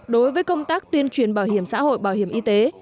đối với công tác tuyên truyền bảo hiểm xã hội bảo hiểm y tế